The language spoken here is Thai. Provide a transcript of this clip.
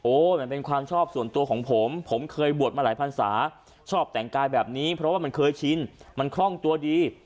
มันเป็นความชอบส่วนตัวของผมผมเคยบวชมาหลายพันศาชอบแต่งกายแบบนี้เพราะว่ามันเคยชินมันคล่องตัวดี